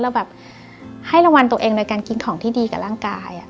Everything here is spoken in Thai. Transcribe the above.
แบบให้ระวังตัวเองโดยการกินของที่ดีกับร่างกาย